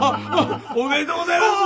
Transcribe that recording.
おめでとうございます。